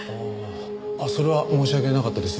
それは申し訳なかったです。